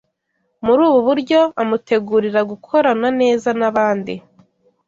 muri ubu buryo amutegurira gukorana neza n’abandi.